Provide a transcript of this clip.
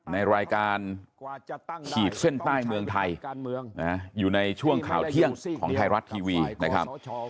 ในรายการขีดเส้นใต้เมืองไทยอยู่ในช่วงข่าวเที่ยงของไทยรัฐทีวีนะครับ